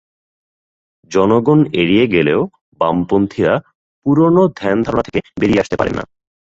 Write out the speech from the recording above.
জনগণ এগিয়ে গেলেও বামপন্থীরা পুরোনো ধ্যানধারণা থেকে বেরিয়ে আসতে পারেন না।